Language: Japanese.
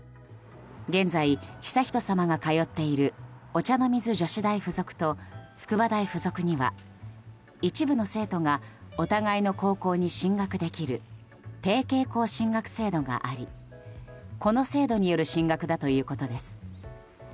現在、悠仁さまが通っているお茶の水女子大附属と筑波大附属には一部の生徒がお互いの高校に進学できる提携校進学制度がありこの制度による進学だということです。